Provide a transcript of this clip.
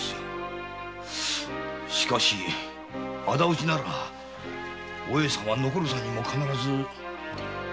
しかし仇討ちならお栄さんは残る三人も必ずやる気ですよ。